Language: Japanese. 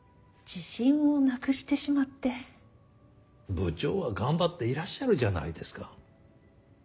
部長は頑張っていらっしゃるじゃないですか。